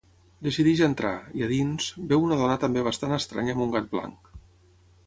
Decideix entrar, i a dins, veu una dona també bastant estranya amb un gat blanc.